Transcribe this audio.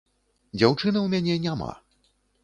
Дзяўчыны ў мяне няма.